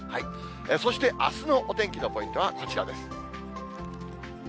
そして、あすのお天気のポイントはこちらです。